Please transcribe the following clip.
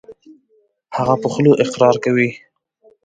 هغه په خوله اقرار کوي .